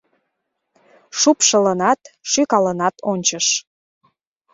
Шупшылынат, шӱкалынат ончыш.